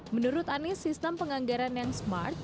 menurut anies sistem penganggaran yang smart